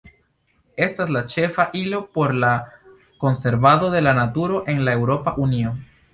Estas la ĉefa ilo por la konservado de la naturo en la Eŭropa Unio.